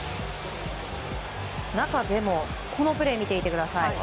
中でも、このプレー見ていてください。